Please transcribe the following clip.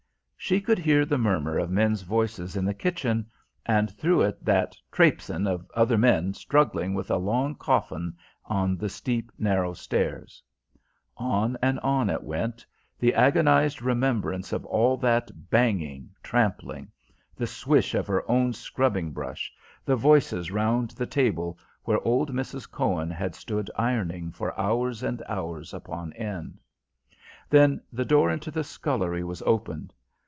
She could hear the murmur of men's voices in the kitchen, and through it that "trapsin'" of other men struggling with a long coffin on the steep narrow stairs. On and on it went the agonised remembrance of all that banging, trampling; the swish of her own scrubbing brush; the voices round the table where old Mrs. Cohen had stood ironing for hours and hours upon end. Then the door into the scullery was opened.